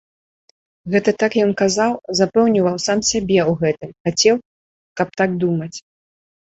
Гэта так ён казаў, запэўніваў сам сябе ў гэтым, хацеў, каб так думаць.